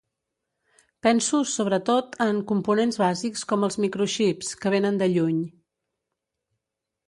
Penso, sobretot, en components bàsics com els microxips, que vénen de lluny.